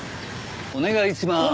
お願いしまーす。